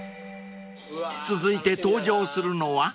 ［続いて登場するのは？］